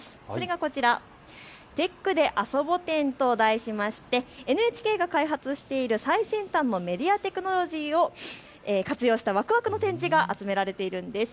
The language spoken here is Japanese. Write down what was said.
こちらＴｅｃｈであそぼ展と題しましてＮＨＫが開発している最先端のメディア・テクノロジーを活用したわくわくの展示が集められているんです。